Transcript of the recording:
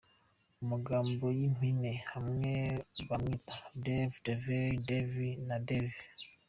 Mu magambo y’impine bamwe bamwita, Dave, Davey, Davie na Davy.